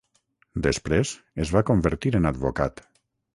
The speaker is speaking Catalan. Després es va convertir en advocat.